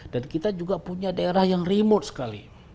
dan kita juga punya daerah yang remote sekali